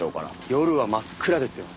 夜は真っ暗ですよ。